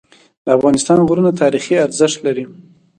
د افغانستان غرونه تاریخي ارزښت لري.